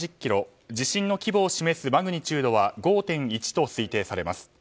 地震の規模を示すマグニチュードは５．１と推定されます。